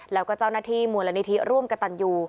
แล้วกับเจ้าหน้าที่มวลนิธิร่วมกระตำ